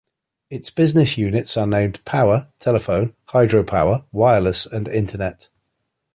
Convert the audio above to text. Its business units are named Power, Telephone, Hydro-Power, Wireless, and Internet.